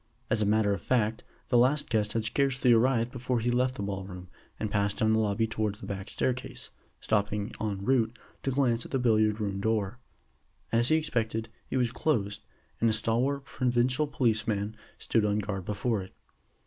As a matter of fact, the last guest had scarcely arrived before he left the ball room, and passed down the lobby towards the back stair case, stopping en route to glance at the billiard room door. As he expected, it was closed, and a stalwart provincial policeman stood on guard before it.